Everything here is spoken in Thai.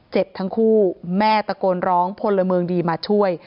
เจ็บทั้งคู่แม่ตะโกนร้องพลเมืองดีมาช่วย